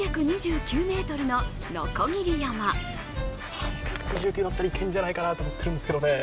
３２９だったらいけんじゃないかなって思ってるんですけどね。